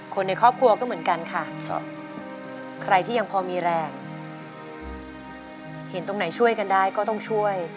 คนในครอบครัวก็เหมือนกันค่ะใครที่ยังพอมีแรงเห็นตรงไหนช่วยกันได้ก็ต้องช่วย